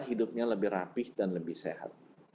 hidupnya lebih rapih dan lebih sehat